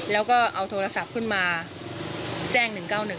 แล้วก็เอาโทรศัพท์ขึ้นมาแจ้ง๑๙๑